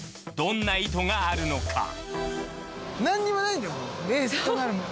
どんな意図があるのか？